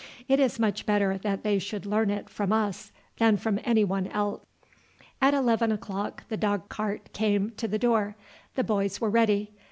It is much better they should learn it from us than from anyone else." At eleven o'clock the dog cart came to the door. The boys were ready.